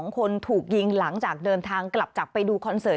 ๒คนถูกยิงหลังจากเดินทางกลับจากไปดูคอนเสิร์ต